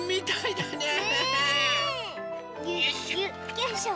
よいしょ！